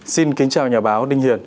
xin kính chào nhà báo đinh hiền